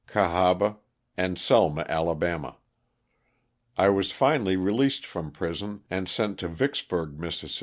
Cahaba and Selma, Ala. I was finally released from prison and sent to Vicksburg, Miss.